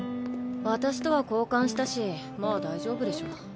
私とは交換したしまあ大丈夫でしょ。